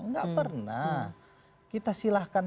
nggak pernah kita silahkan